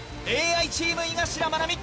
ＡＩチーム井頭愛海。